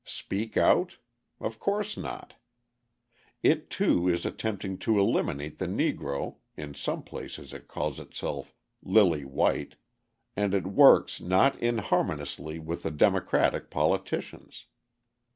Speak out? Of course not. It, too, is attempting to eliminate the Negro (in some places it calls itself "lily white"), and it works not inharmoniously with the Democratic politicians.